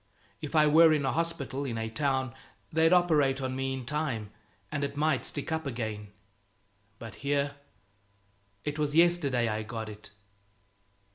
If I were in a hospital, in a town, they'd operate on me in time, and it might stick up again. But here! It was yesterday I got it.